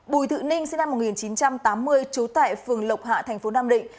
bùi thự ninh sinh năm một nghìn chín trăm tám mươi trú tại phường lộc hạ thành phố nam định